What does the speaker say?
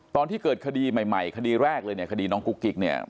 ตอนที่เกิดคดีใหม่คดีแรกเลยเนี่ยคดีน้องกุ๊กกิ๊กเนี่ย